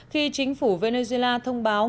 khi chính phủ venezuela thông báo